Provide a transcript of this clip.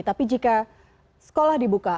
tapi jika sekolah dibuka